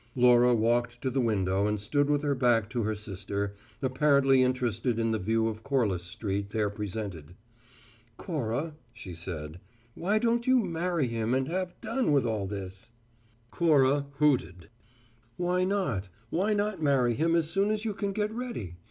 Laura walked to the window and stood with her back to her sister, apparently interested in the view of Corliss Street there presented. "Cora," she said, "why don't you marry him and have done with all this?" Cora hooted. "Why not? Why not marry him as soon as you can get ready?